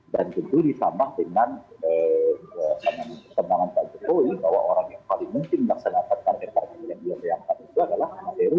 dan tentu disamah dengan kesempatan pak jokowi bahwa orang yang paling mungkin melaksanakan target ini adalah pak heru